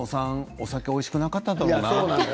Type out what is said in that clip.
お酒おいしくなかっただろうな。